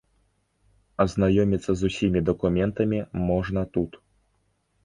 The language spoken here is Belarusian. Азнаёміцца з усімі дакументамі можна тут.